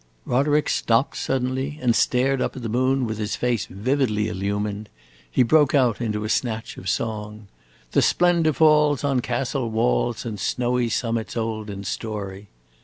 Roderick stopped suddenly and stared up at the moon, with his face vividly illumined. He broke out into a snatch of song: "The splendor falls on castle walls And snowy summits old in story!"